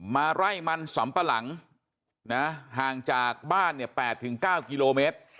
มาไล่มันสำปะหลังห่างจากบ้านเนี่ย๘๙กิโลเมตร